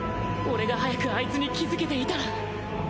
俺が早くあいつに気付けていたら